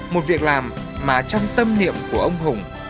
một việc làm mà trong tâm niệm của ông hùng